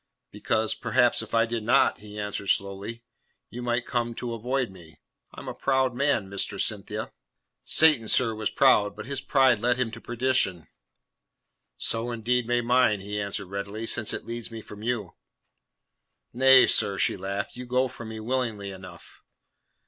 "Because perhaps if I did not," he answered slowly, "you might come to avoid me. I am a proud man, Mistress Cynthia." "Satan, sir, was proud, but his pride led him to perdition." "So indeed may mine," he answered readily, "since it leads me from you." "Nay, sir," she laughed, "you go from me willingly enough."